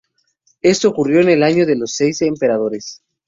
Esto ocurrió en el "Año de los seis emperadores".